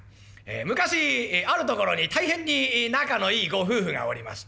昔あるところに大変に仲のいいご夫婦がおりまして。